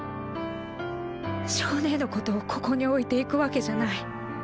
象姉のことをここに置いていくわけじゃない。